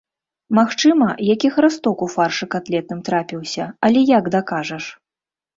Магчыма, які храсток у фаршы катлетным трапіўся, але як дакажаш?